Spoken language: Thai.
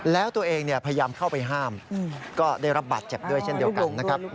แล้วตัวเองพยายามเข้าไปห้ามก็ได้รับบาดเจ็บด้วยเช่นเดียวกันนะครับ